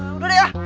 udah deh ah